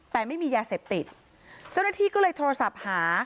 แต่ไม่มียาเสพติดเจ้าหน้าที่ก็เลยโทรศัพท์หา